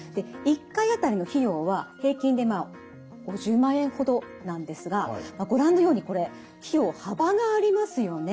１回あたりの費用は平均で５０万円ほどなんですがご覧のようにこれ費用幅がありますよね。